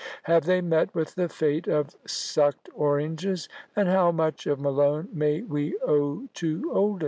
Have they met with the fate of sucked oranges? and how much of Malone may we owe to Oldys?